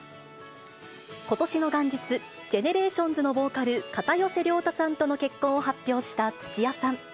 ことしの元日、ＧＥＮＥＲＡＴＩＯＮＳのボーカル、片寄涼太さんとの結婚を発表した土屋さん。